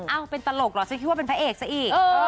เป็นตลกเหรอฉันคิดว่าเป็นพระเอกซะอีก